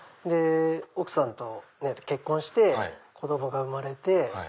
奥さんと結婚して子供が生まれて。